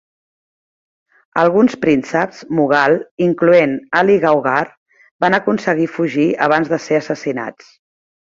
Alguns prínceps Mughal, incloent Ali Gauhar, van aconseguir fugir abans de ser assassinats.